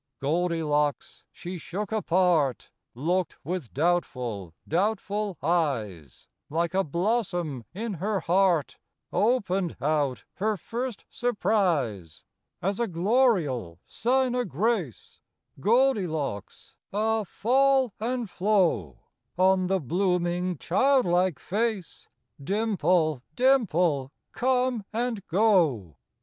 Goldilocks she shook apart, Looked with doubtful, doubtful eyes, Like a blossom in her heart . Opened out her first surprise. As a gloriole sign o' grace, Goldilocks, ah fall and flow, On the blooming, childlike face, Dimple, dimple, come and go.